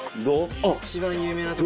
一番有名なとこ。